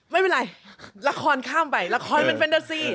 ไม่เป็นไรละครข้ามไปละครเป็นแฟนเดอร์ซี่